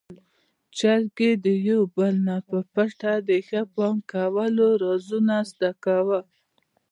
چرګې د يو بل نه په پټه د ښه بانګ کولو رازونه زده کول.